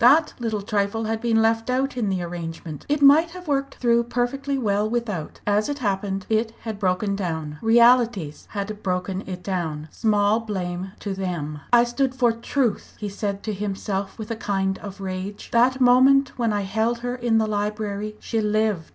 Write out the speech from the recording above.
That little trifle had been left out in the arrangement. It might have worked through perfectly well without; as it happened it had broken down. Realities had broken it down. Small blame to them! "I stood for truth!" he said to himself with a kind of rage "that moment when I held her in the library, she lived.